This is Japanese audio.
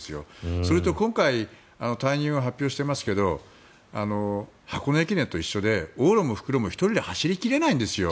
それと今回退任を発表していますが箱根駅伝と一緒で往路も復路も１人で走り切れないんです。